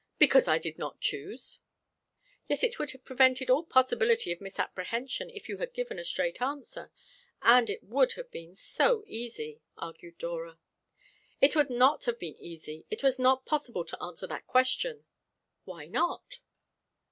"Because I did not choose." "Yet it would have prevented all possibility of misapprehension if you had given a straight answer. And it would have been so easy," argued Dora. "It would not have been easy. It was not possible to answer that question." "Why not?"